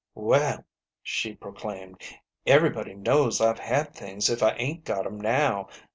"Well," she proclaimed, "everybody knows I've had things if I ain't got 'em now.